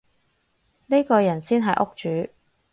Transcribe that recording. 呢個人先係屋主